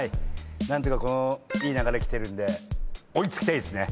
何とかこのいい流れ来てるんで追い付きたいですね。